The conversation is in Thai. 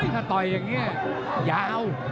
ถ้าต่อยอย่างนี้ยาว